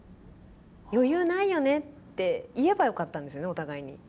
「余裕ないよね」って言えばよかったんですよねお互いに。